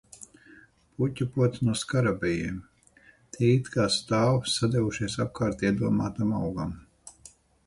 Puķupods no skarabejiem. Tie it kā stāv, sadevušies apkārt iedomātam augam.